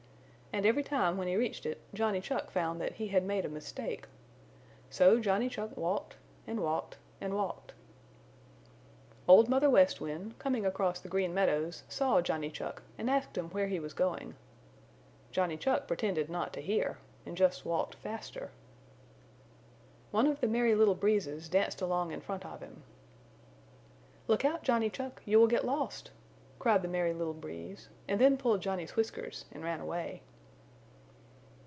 And every time when he reached it Johnny Chuck found that he had made a mistake. So Johnny Chuck walked and walked and walked. Old Mother West Wind, coming across the Green Meadows, saw Johnny Chuck and asked him where he was going. Johnny Chuck pretended not to hear and just walked faster. One of the Merry Little Breezes danced along in front of him. "Look out, Johnny Chuck, you will get lost," cried the Merry Little Breeze then pulled Johnny's whiskers and ran away.